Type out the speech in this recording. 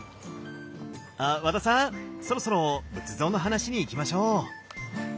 あ和田さんそろそろ仏像の話にいきましょう！